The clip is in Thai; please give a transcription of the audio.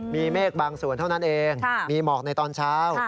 มีเมฆบางส่วนเท่านั้นเองมีหมอกในตอนเช้า